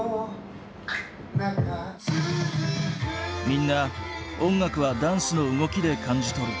みんな音楽はダンスの動きで感じ取る。